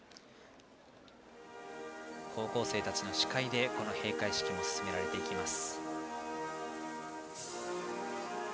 高校生たちの司会で閉会式も進められていきます。